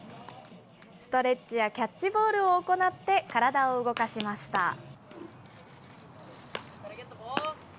ストレッチやキャッチボールを行って、体を動かしました。